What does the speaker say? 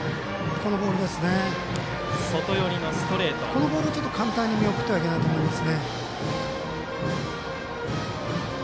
このボールを簡単に見送ってはいけないと思います。